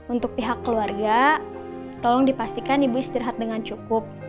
untuk pihak keluarga tolong dipastikan ibu istirahat dengan cukup